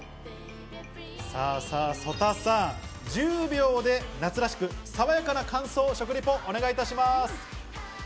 さぁ、曽田さん、１０秒で夏らしく、爽やかな感想、食リポお願いします。